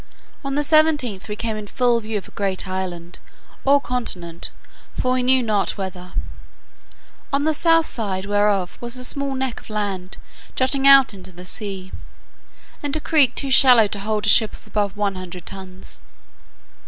On the 17th, we came in full view of a great island, or continent (for we knew not whether;) on the south side whereof was a small neck of land jutting out into the sea, and a creek too shallow to hold a ship of above one hundred tons.